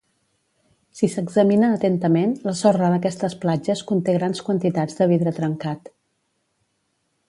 Si s'examina atentament, la sorra d'aquestes platges conté grans quantitats de vidre trencat.